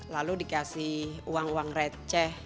lalu dikasih uang uang receh